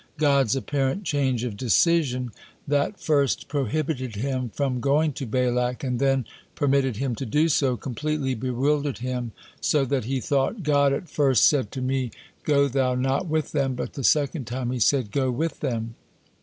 God's apparent change of decision, that first prohibited him from going to Balak, and then permitted him to do so, completely bewildered him, so that he thought, "God at first said to me, 'Go thou not with them,' but the second time He said, 'Go with them.'